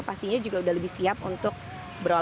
pastinya juga udah lebih siap untuk berolah